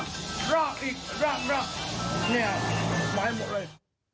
ละอีกละละนี่หมายหมดเลย